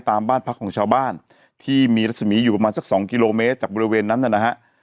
ตามบ้านพักของชาวบ้านที่มีรัศมีอยู่ประมาณสักสองกิโลเมตรจากบริเวณนั้นนะฮะ